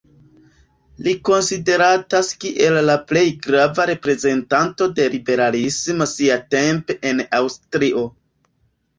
Li konsideratas kiel la plej grava reprezentanto de liberalismo siatempe en Aŭstrio.